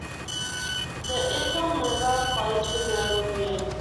The Iton river flows through the commune.